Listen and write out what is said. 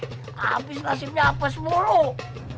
habislah si miapas buruk